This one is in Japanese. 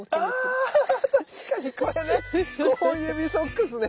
あ確かにこれね５本指ソックスね！